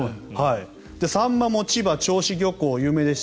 サンマも千葉銚子漁港が有名でした。